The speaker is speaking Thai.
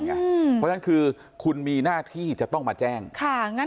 เพราะฉะนั้นคือคุณมีหน้าที่จะต้องมาแจ้ง